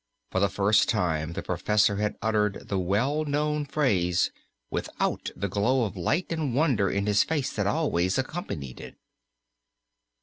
For the first time the professor had uttered the well known phrase without the glow of light and wonder in his face that always accompanied it.